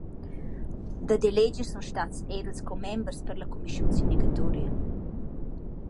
Dad eleger sun stats eir ils commembers per la cumischiun sindicatoria.